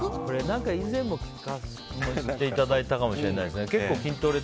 以前も聞かせていただいたかもしれないです。